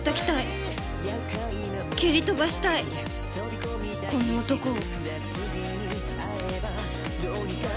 蹴り飛ばしたいこの男を